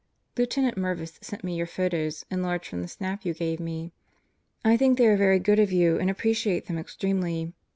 Lieutenant Merviss sent me your photos, enlarged from the snap you gave me. I think they are very good of you and appreciate them extremely.